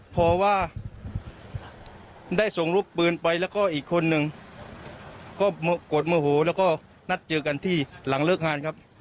พอว่าได้ส่งรูปปืนไปแล้วก็อีกคนนึงก็กดโมโหแล้วก็นัดเจอกันที่หลังเลิกงานครับ